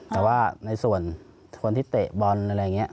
แต่ว่าในส่วนคนที่เตะบอลอะไรอย่างนี้